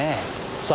さあ？